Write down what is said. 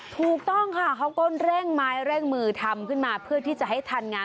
ถูกต้องค่ะเขาก็เร่งไม้เร่งมือทำขึ้นมาเพื่อที่จะให้ทันงาน